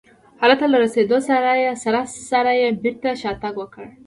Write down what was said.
هلته له رسېدو سره یې بېرته شاتګ وکړ.